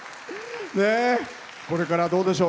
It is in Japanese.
これから、どうでしょう。